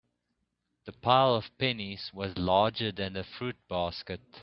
The pile of pennies was larger than the fruit basket.